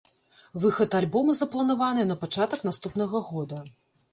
Выхад альбома запланаваны на пачатак наступнага года.